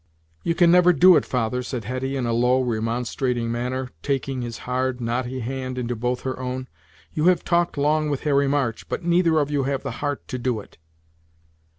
"You can never do it, father!" said Hetty, in a low, remonstrating manner, taking his hard, knotty hand into both her own; "you have talked long with Harry March; but neither of you have the heart to do it!"